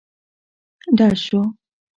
ډز شو.